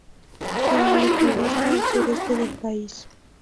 Se localiza al sureste del país.